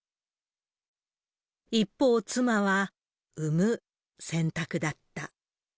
一方、妻は産む選択だった。